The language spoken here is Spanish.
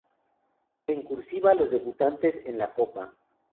En "cursiva" los debutantes en la copa.